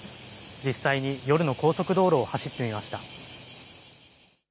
実際に夜の高速道路を走ってみました。